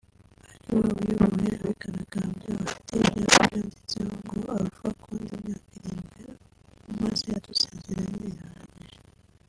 ari we uyoboye abigaragambya bafite ibyapa byanditseho ngo “ Alpha Condé imyaka irindwi umaze udusezeranya irahagije”